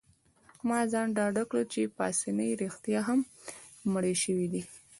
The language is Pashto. ما ځان ډاډه کړ چي پاسیني رښتیا هم مړی شوی دی.